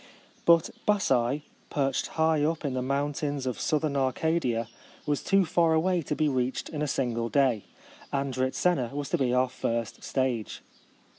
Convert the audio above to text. But Bassse, perched high up in the mountains of southern Arcadia, was too far away to be reached in a single day. Andritzena was to be our first stage.